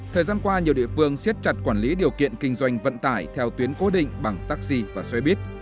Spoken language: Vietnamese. thời gian qua nhiều địa phương siết chặt quản lý điều kiện kinh doanh vận tải theo tuyến cố định bằng taxi và xoay bít